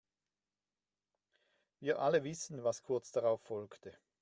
Wir alle wissen, was kurz darauf folgte.